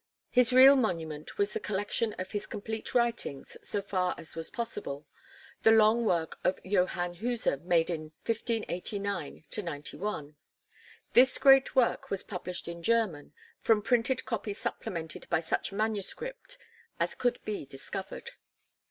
His real monument was the collection of his complete writings so far as was possible, the long work of Johann Huser made in 1589 91. This great work was published in German, from printed copy supplemented by such manuscript as could be discovered.